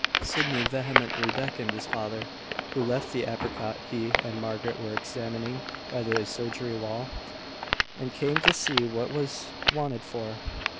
Sydney vehemently beckoned his father, who left the apricot he and Margaret were examining by the surgery wall, and came to see what he was wanted for.